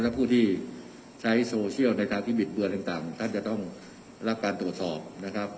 และผู้ที่ใช้โซเชียลในทางที่บิดเบือนต่างท่านจะต้องรับการตรวจสอบนะครับ